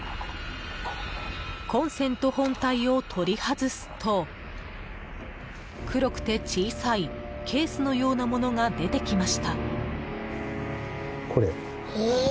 コンセント本体を取り外すと黒くて小さいケースのようなものが出てきました。